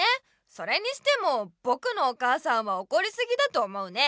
それにしてもぼくのお母さんはおこりすぎだと思うね。